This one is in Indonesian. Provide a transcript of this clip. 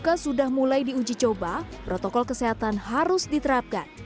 jika sudah mulai diuji coba protokol kesehatan harus diterapkan